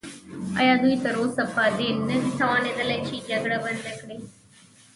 ایا دوی تراوسه په دې نه دي توانیدلي چې جګړه بنده کړي؟